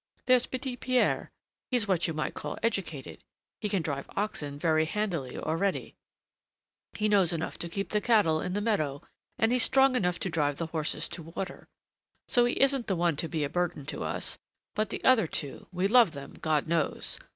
There's Petit Pierre, he's what you might call educated; he can drive oxen very handily already; he knows enough to keep the cattle in the meadow, and he's strong enough to drive the horses to water. So he isn't the one to be a burden to us; but the other two we love them, God knows!